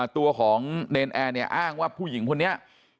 ตัวของเนรนแอร์เนี่ยอ้างว่าผู้หญิงคนนี้